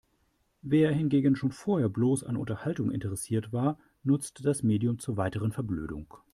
Wer hingegen schon vorher bloß an Unterhaltung interessiert war, nutzt das Medium zur weiteren Verblödung.